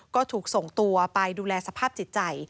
ก็ถูกส่งตัวไปดูแลสภาพจิตใจ